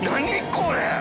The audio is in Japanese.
これ！